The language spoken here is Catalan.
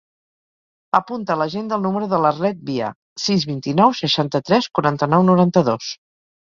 Apunta a l'agenda el número de l'Arlet Via: sis, vint-i-nou, seixanta-tres, quaranta-nou, noranta-dos.